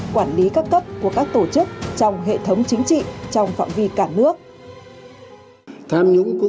quản lý các cấp của các tổ chức trong hệ thống chính trị trong phạm vi cả nước